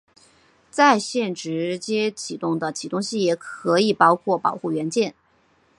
在线直接起动的启动器也可以包括保护元件。